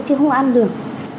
chứ không ăn được